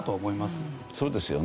そうですよね。